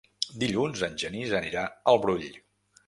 Dilluns en Genís anirà al Brull.